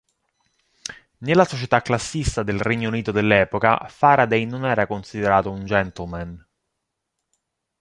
Nella società classista del Regno Unito dell'epoca, Faraday non era considerato un "gentleman".